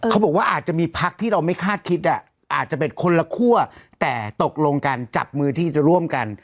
เขาบอกว่าอาจจะมีพักที่เราไม่คาดคิดอาจจะเป็นคนละคั่วแต่ตกลงกันจับมือที่จะร่วมกัน